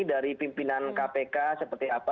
dari pimpinan kpk seperti apa